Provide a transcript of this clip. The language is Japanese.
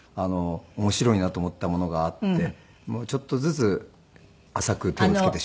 面白いなと思ったものがあってちょっとずつ浅く手をつけてしまって。